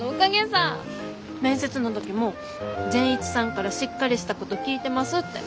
面接の時も「善一さんからしっかりした子と聞いてます」って。